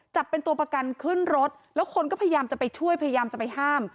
จับเป็นตัวประกันขึ้นรถแล้วคนก็พยายามจะไปช่วยพยายามจะไปห้าม